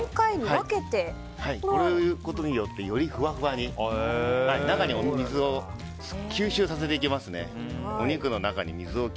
入れることによってよりふわふわにお肉の中に水を吸収させていきます。